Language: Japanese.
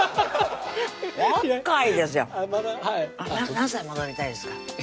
やんまだ何歳戻りたいですか？